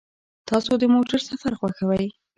تاسو د موټر سفر خوښوئ؟